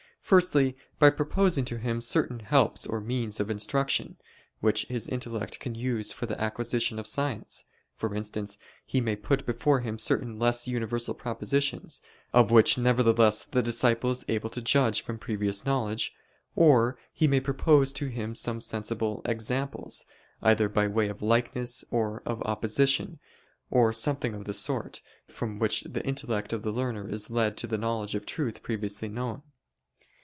Firstly, by proposing to him certain helps or means of instruction, which his intellect can use for the acquisition of science: for instance, he may put before him certain less universal propositions, of which nevertheless the disciple is able to judge from previous knowledge: or he may propose to him some sensible examples, either by way of likeness or of opposition, or something of the sort, from which the intellect of the learner is led to the knowledge of truth previously unknown.